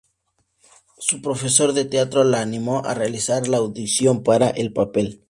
Su profesor de teatro la animó a realizar la audición para el papel.